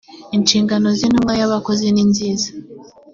inshingano z intumwa y abakozi ninziza